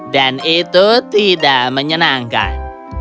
dan itu tidak menyenangkan